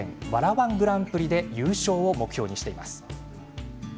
−１グランプリで優勝を目標にしています。